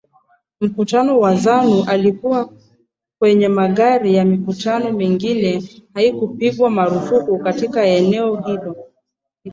Mkutano wa Zanu ulikuwa kwenye magari na mikutano mingine haikupigwa marufuku katika eneo hilo hilo